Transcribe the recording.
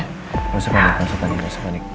nggak usah panik nggak usah panik nggak usah panik